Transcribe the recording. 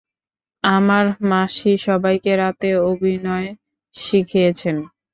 আমার মাসি সবাইকে রাতে অভিনয় শিখিয়েছেন।